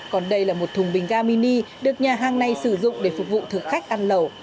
còn đây là một thùng bình ga mini được nhà hàng này sử dụng để phục vụ thực khách ăn lẩu